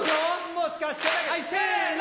もしかしてだけどはいせの！